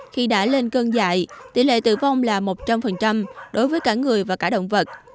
khi đã lên cơn dại tỷ lệ tử vong là một trăm linh đối với cả người và cả động vật